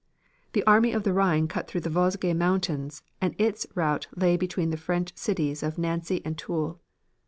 The Army of the Rhine cut through the Vosges Mountains and its route lay between the French cities of Nancy and Toul.